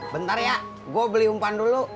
bentar ya gue beli umpan dulu